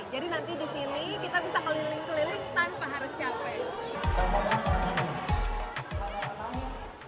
jadi nanti disini kita bisa keliling keliling tanpa harus capek